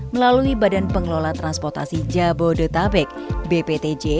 melalui badan pengelola transportasi jabodetabek bptj